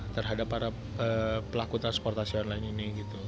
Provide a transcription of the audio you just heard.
terhadap para pelaku transportasi online ini